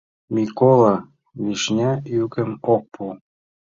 Микола Вишня йӱкым ок пу.